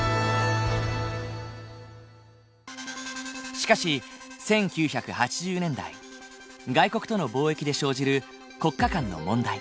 しかし１９８０年代外国との貿易で生じる国家間の問題